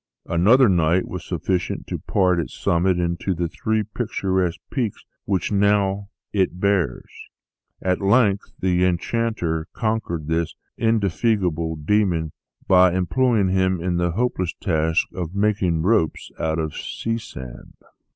Another night was sufficient to part its summit into the three picturesque peaks which it now bears. At length the enchanter conquered this indefatigable demon, by employing him in the hopeless task of making ropes out of sea sand."